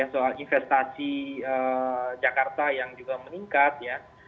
soal investasi jakarta yang juga meningkat ya